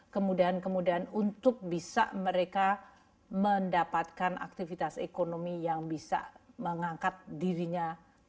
kemudahan kemudahan untuk bisa mereka mendapatkan aktivitas ekonomi yang bisa mengangkat dirinya